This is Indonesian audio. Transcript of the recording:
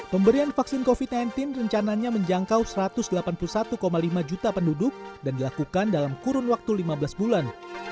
pemberian vaksin covid sembilan belas rencananya menjangkau satu ratus delapan puluh satu lima juta penduduk dan dilakukan dalam kurun waktu lima belas bulan